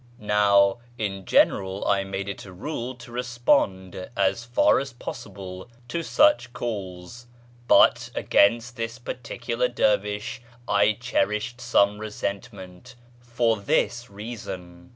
Now in general I made it a rule to respond, as far as possible, to sucli calls ; but against this particular dervish I cherished some resentment, for this reason.